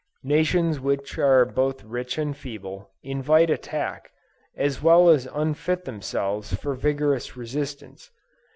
Nations which are both rich and feeble, invite attack, as well as unfit themselves for vigorous resistance.